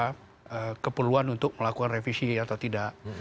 ada keperluan untuk melakukan revisi atau tidak